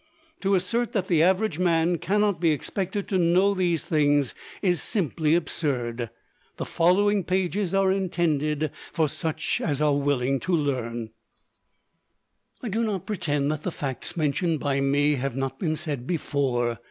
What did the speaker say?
To assert that the average man cannot be expected to know these things is simply absurd. The following pages are intended for such as are willing to learn. I do not pretend that the facts mentioned by me have not been said before.